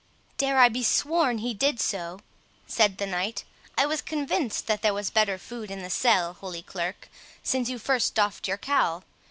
"I dare be sworn he did so," said the knight; "I was convinced that there was better food in the cell, Holy Clerk, since you first doffed your cowl.